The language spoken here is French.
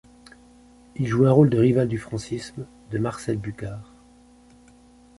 Il joue un rôle de rival du Francisme de Marcel Bucard.